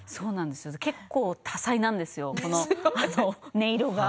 結構、多彩なんですよ音色が。